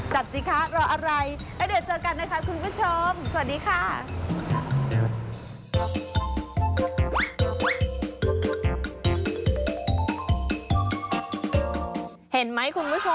จัดสิคะรออะไร